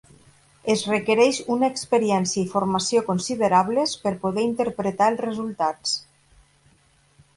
Es requereix una experiència i formació considerables per poder interpretar els resultats.